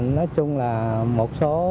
nói chung là một số